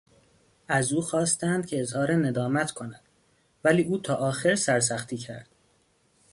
از او خواستند که اظهار ندامت کند ولی او تا آخر سرسختی کرد.